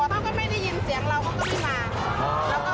เขาก็ไม่ได้ยินเสียงเราเขาก็ไม่มา